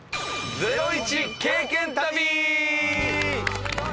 ゼロイチ経験旅。